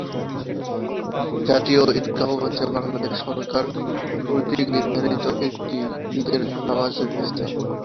জাতীয় ঈদগাহ হচ্ছে বাংলাদেশ সরকার কতৃক নির্ধারিত একটি ঈদের নামাজের স্থান।